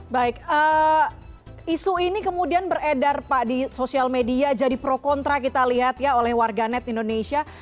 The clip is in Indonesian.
baik isu ini kemudian beredar pak di sosial media jadi pro kontra kita lihat ya oleh warganet indonesia